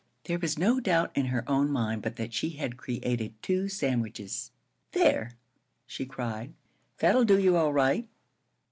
There was no doubt in her own mind but that she had created two sandwiches. "There," she cried. "That'll do you all right.